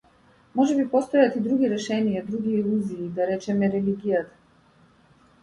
Можеби постојат и други решенија, други илузии, да речеме религијата.